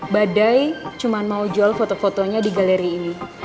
badai cuma mau jual foto fotonya di galeri ini